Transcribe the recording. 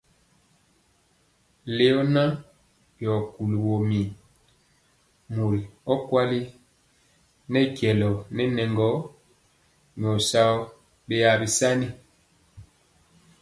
Leona yoo kuli wo mir mori ɔkuli nɛ jelor nɛ nɛgɔ nyor sao beasani.